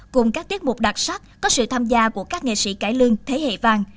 cùng các tiết mục đặc sắc có sự tham gia của các nghệ sĩ cải lương thế hệ vàng